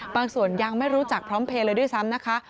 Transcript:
ส่วนยังไม่รู้จักพร้อมเพลย์เลยด้วยซ้ำนะคะ